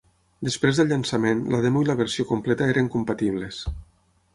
Després del llançament, la demo i la versió completa eren compatibles.